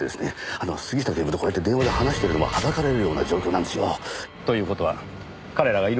あの杉下警部とこうやって電話で話してるのもはばかられるような状況なんですよ。という事は彼らがいるわけですね。